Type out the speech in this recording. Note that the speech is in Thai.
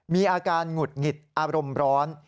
มีอาการหงุดหงิดอารมณ์ร้อน